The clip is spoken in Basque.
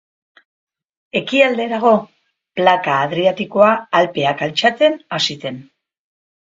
Ekialderago, plaka Adriatikoa Alpeak altxatzen hasi zen.